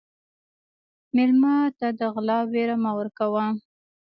مېلمه ته د غلا وېره مه ورکوه.